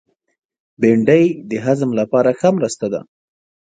بېنډۍ د هضم لپاره ښه مرسته ده